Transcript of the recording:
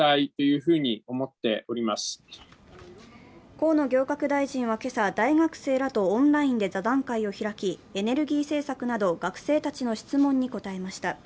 河野行革大臣は今朝、大学生らとオンラインで座談会を開き、エネルギー政策など学生たちの質問に答えました。